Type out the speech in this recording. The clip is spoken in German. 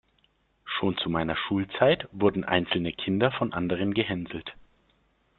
Schon zu meiner Schulzeit wurden einzelne Kinder von anderen gehänselt.